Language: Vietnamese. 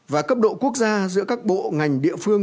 và cấp độ quốc gia giữa các bộ ngành địa phương